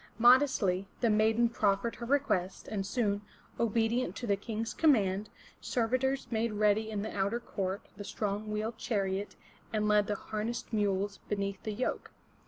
Modestly the maiden proffered her request, and soon, obedient to the King's command, servitors made ready in the outer court the strong wheeled chariot, and led the harnessed mules beneath the yoke.